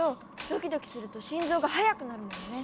ドキドキすると心臓が速くなるもんね。